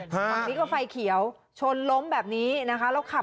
ฝั่งนี้ก็ไฟเขียวชนล้มแบบนี้นะคะ